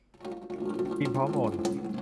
ทีมพร้อมโอน